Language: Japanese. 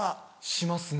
しますね。